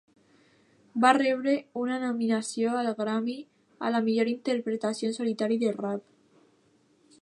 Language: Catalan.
Va rebre una nominació al Grammy a la millor interpretació en solitari de rap.